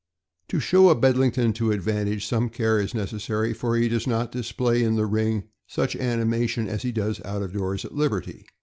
To show a Bedlington to advantage some care is neces sary, for he does not display in the ring such animation as he does out of doors at liberty.